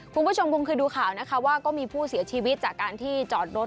คุณผู้ชมคงเคยดูข่าวนะคะว่าก็มีผู้เสียชีวิตจากการที่จอดรถ